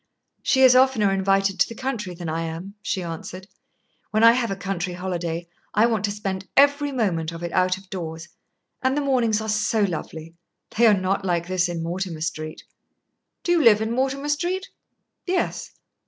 "She is oftener invited to the country than I am," she answered. "When I have a country holiday, I want to spend every moment of it out of doors. And the mornings are so lovely. They are not like this in Mortimer Street." "Do you live in Mortimer Street?" "Yes."